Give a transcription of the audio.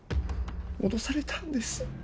脅されたんです